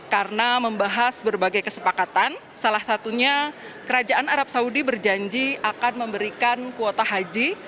karena membahas berbagai kesepakatan salah satunya kerajaan arab saudi berjanji akan memberikan kuota haji